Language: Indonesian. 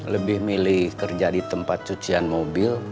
lebih milih kerja di tempat cucian mobil